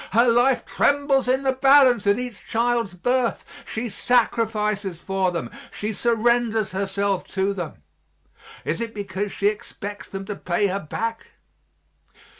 Her life trembles in the balance at each child's birth; she sacrifices for them, she surrenders herself to them. Is it because she expects them to pay her back?